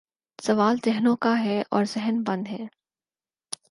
سوال ذہنوں کا ہے اور ذہن بند ہیں۔